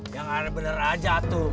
yang bener bener aja tuh